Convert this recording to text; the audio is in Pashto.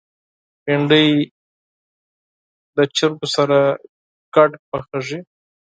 بېنډۍ له چرګو سره ګډ پخېږي